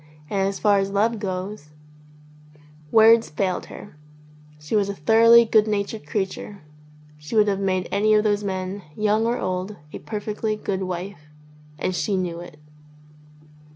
And as far as love goes ..." Words failed her. She was a thoroughly good natured creature. She would have made any of those men, young or old, a perfectly good wife. And she knew it.